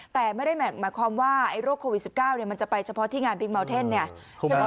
แต่ไม่ได้แหม่งมาความว่าไอ้โรคโควิดสิบเก้าเนี่ยมันจะไปเฉพาะที่งานบิ๊กเมาท์เทนเนี่ยใช่ป่ะค่ะ